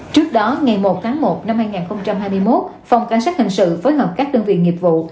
trước đó ngày một tháng một năm hai nghìn hai mươi một phòng cảnh sát hình sự phối hợp các đơn vị nghiệp vụ